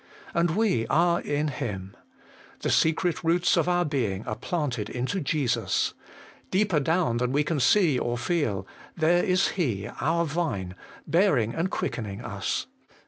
And we are in Him. The secret roots of our being are planted into Jesus : deeper down than we can see or feel, there is He our Vine, bearing and quickening us.